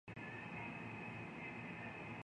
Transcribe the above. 団地にある小さな公園でひとりくつろぐ